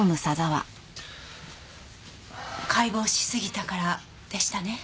「解剖しすぎたから」でしたね？